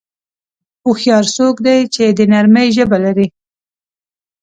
هوښیار څوک دی چې د نرمۍ ژبه لري.